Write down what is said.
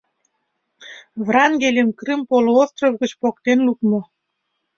Врангельым Крым полуостров гыч поктен лукмо.